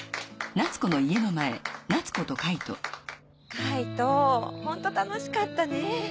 海人ホント楽しかったね。